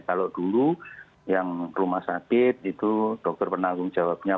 kalau dulu yang rumah sakit itu dokter penanggung jawabnya